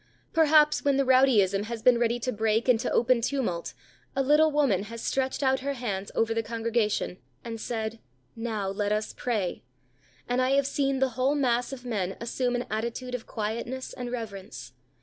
Perhaps, when the rowdyism has been ready to break into open tumult, a little woman has stretched out her hands over the congregation, and said, "Now, let us pray;" and I have seen the whole mass of men assume an attitude of quietness and reverence.